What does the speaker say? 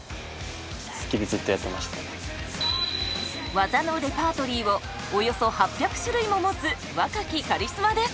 技のレパートリーをおよそ８００種類も持つ若きカリスマです。